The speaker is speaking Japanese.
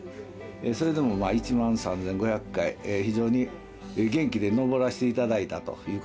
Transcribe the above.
それでも１万３，５００回非常に元気で登らせて頂いたということですね。